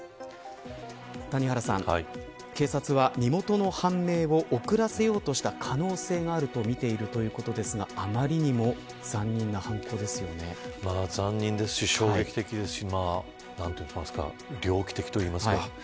谷原さん、警察は身元の判明を遅らせようとした可能性があるとみているということですが残忍ですし、衝撃的ですし猟奇的といいますか。